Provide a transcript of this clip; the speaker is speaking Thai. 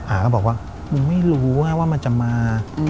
อาก็บอกว่ามึงไม่รู้ว่ามันจะมา